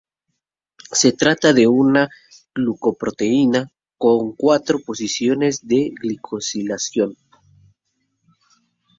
Se trata de una glucoproteína con cuatro posiciones de glicosilación.